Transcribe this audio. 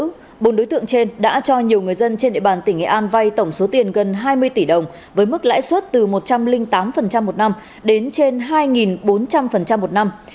cơ quan điều tra cho nhiều người dân trên địa bàn tỉnh nghệ an vay tổng số tiền gần hai mươi tỷ đồng với mức lãi suất từ một trăm linh tám một năm đến trên hai bốn trăm linh một năm